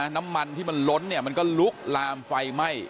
น้ำมันที่มันล้นเนี่ยมันก็ลุกลามไฟไหม้